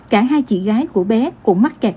cả hai chị gái của bé cũng mắc kẹt